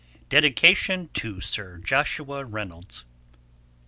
DEDICATION. TO SIR JOSHUA REYNOLDS.